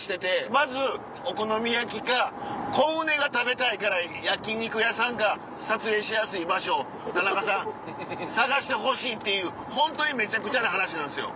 まずお好み焼きかコウネが食べたいから焼肉屋さんか撮影しやすい場所田中さん探してほしいっていうホントにめちゃくちゃな話なんですよ。